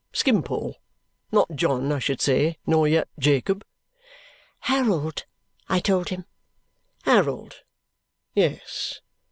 Skimpole. Not John, I should say, nor yet Jacob?" "Harold," I told him. "Harold. Yes.